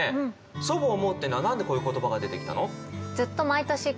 「祖母想ふ」っていうのは何でこういう言葉が出てきたの？